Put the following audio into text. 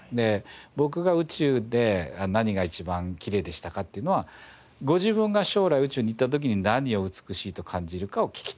僕が宇宙で何が一番きれいでしたかっていうのはご自分が将来宇宙に行った時に何を美しいと感じるかを聞きたいわけですね。